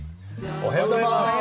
おはようございます。